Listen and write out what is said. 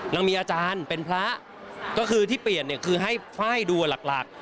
เรามีอาจารย์เป็นพระก็คือที่เปลี่ยนเนี่ยคือให้ไฟล์ดูหลัก